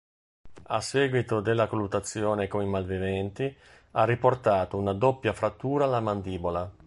A seguito della colluttazione con i malviventi ha riportato una doppia frattura alla mandibola.